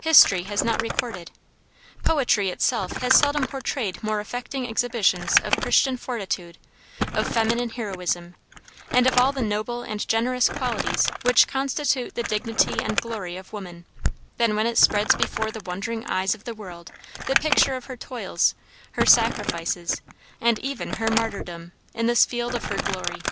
History has not recorded, poetry itself has seldom portrayed more affecting exhibitions of Christian fortitude, of feminine heroism, and of all the noble and generous qualities which constitute the dignity and glory of woman, than when it spreads before the wondering eyes of the world the picture of her toils, her sacrifices, and even her martyrdom, in this field of her glory.